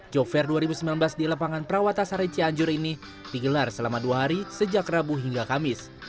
job fair dua ribu sembilan belas di lapangan perawatasari cianjur ini digelar selama dua hari sejak rabu hingga kamis